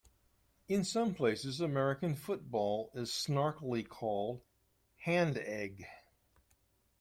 In some places, American football is snarkily called hand-egg.